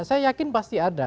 saya yakin pasti ada